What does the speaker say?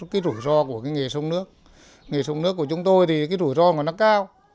cái rủi ro của cái nghề sông nước nghề sông nước của chúng tôi thì cái rủi ro mà nó cao